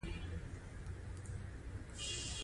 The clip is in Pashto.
په دې وخت کې بنسټونه پر جلا مسیرونو د بدلون پروسې ووه.